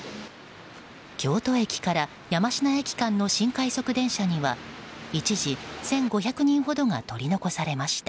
京都駅から山科駅間の新快速電車には一時１５００人ほどが取り残されました。